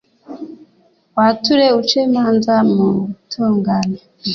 wature uce imanza mu butungane